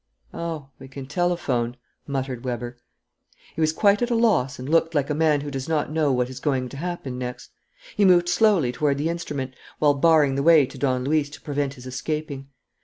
"Oh, we can telephone!" muttered Weber. He was quite at a loss and looked like a man who does not know what is going to happen next. He moved slowly toward the instrument, while barring the way to Don Luis to prevent his escaping.